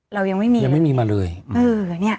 เรายังไม่มีมาเลย